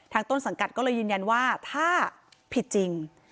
ต้นสังกัดก็เลยยืนยันว่าถ้าผิดจริง